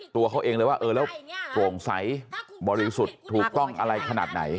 ตัวเขาเองเลยว่าเออแล้วโปร่งใสบริสุทธิ์ถูกต้องอะไรขนาดไหน